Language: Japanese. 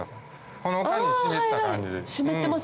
ほのかに湿った感じです。